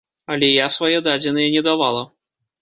Але я свае дадзеныя не давала.